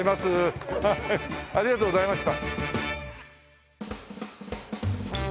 ハッハッありがとうございました。